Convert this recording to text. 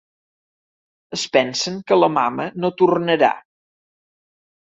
Es pensen que la mama no tornarà.